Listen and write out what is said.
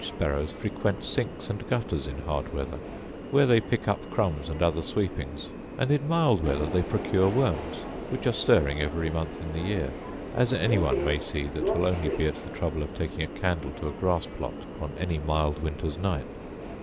Hedge sparrows frequent sinks and gutters in hard weather, where they pick up crumbs and other sweepings: and in mild weather they procure worms, which are stirring every month in the year, as any one may see that will only be at the trouble of taking a candle to a grass plot on any mild winter's night.